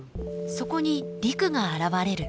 そこに陸が現れる。